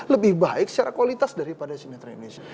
lebih baik secara kualitas daripada sinetron indonesia